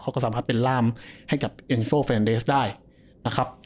เขาก็สามารถเป็นล่ามให้กับเอ็นโซแฟนเดสได้นะครับ